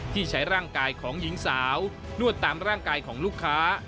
ที่ใช้ร่างกายของหญิงสาวนวดตามร่างกายของลูกค้า